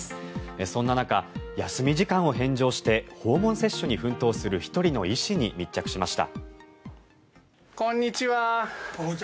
そんな中休み時間を返上して訪問接種に奮闘する１人の医師に密着しました。